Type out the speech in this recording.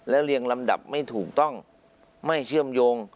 เรียงลำดับไม่ถูกต้องไม่เชื่อมโยง